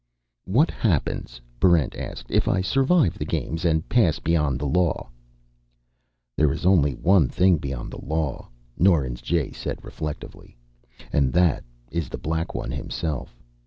"What happens," Barrent asked, "if I survive the Games and pass beyond the law?" "There is only one thing beyond the law," Norins Jay said reflectively, "and that is The Black One himself.